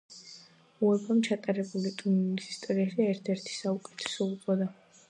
უეფა-მ ჩატარებულ ტურნირს ისტორიაში ერთ-ერთი საუკეთესო უწოდა.